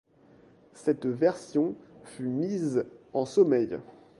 Cette version fut mise en sommeil.